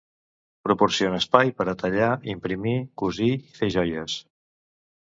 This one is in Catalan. Proporciona espai per a tallar, imprimir, cosir i fer joies.